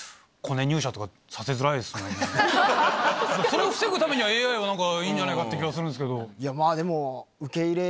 それを防ぐためにはＡＩは何かいいんじゃないかっていう気はするんですけど。